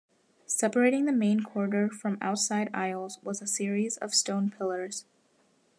Separating the main corridor from outside aisles was a series of stone pillars.